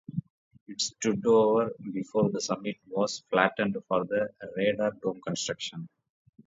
It stood over before the summit was flattened for the radar dome construction.